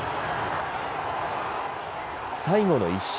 最後の１周。